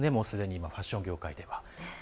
すでにファッション業界では。